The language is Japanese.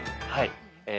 はい。